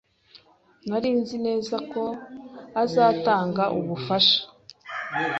Nari nizeye ko azatanga ubufasha.